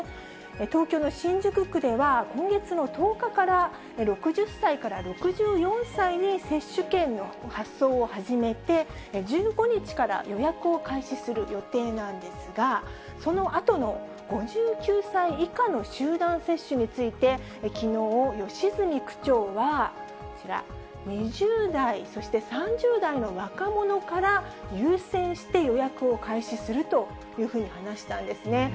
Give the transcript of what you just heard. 東京の新宿区では、今月の１０日から、６０歳から６４歳に接種券の発送を始めて、１５日から予約を開始する予定なんですが、そのあとの５９歳以下の集団接種について、きのう、吉住区長は、こちら、２０代、そして３０代の若者から優先して予約を開始するというふうに話したんですね。